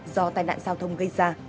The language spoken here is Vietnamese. do tai nạn giao thông gây ra